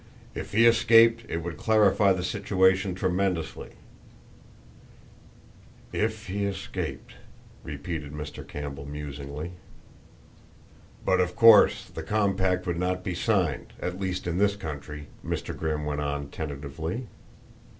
"If he escaped it would clarify the situation tremendously." "If he escaped!" repeated Mr. Campbell musingly. "But, of course, the compact would not be signed, at least in this country," Mr. Grimm went on tentatively.